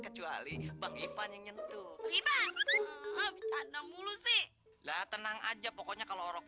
kecuali bang ivan yang nyentuh kita enam mulu sih lah tenang aja pokoknya kalau orang